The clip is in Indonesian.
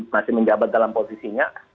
masih menjabat dalam posisinya